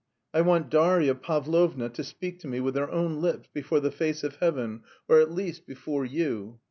I want Darya Pavlovna to speak to me with her own lips, before the face of Heaven, or at least before you.